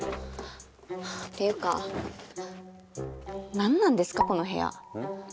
ていうか何なんですかこの部屋。